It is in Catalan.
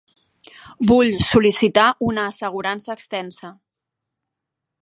Vull sol·licitar una assegurança extensa.